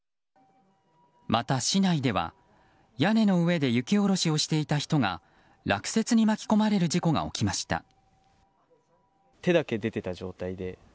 また、市内では屋根の上で雪下ろしをしていた人が落雪に巻き込まれる事故が起きました。